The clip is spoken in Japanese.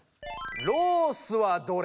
「ロースはどれ？」。